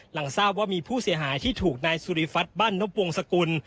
หลังทราบว่ามีผู้เสียหายที่ถูกนายสุริฟัฒนบ้านนบวงสกุล